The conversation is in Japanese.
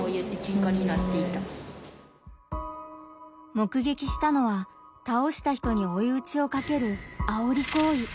目撃したのは倒した人においうちをかける「あおり行為」。